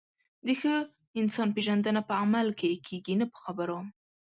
د ښه انسان پیژندنه په عمل کې کېږي، نه په خبرو.